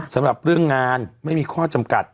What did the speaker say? สำหรับเรื่องงานไม่มีข้อจำกัด